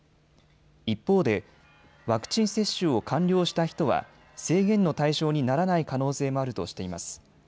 一方でワクチン接種を完了した人は制限の対象にならない可能性もあるとしています。